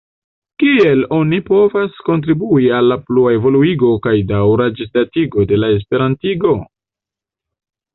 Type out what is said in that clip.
Kiel oni povas kontribui al la plua evoluigo kaj daŭra ĝisdatigo de la esperantigo?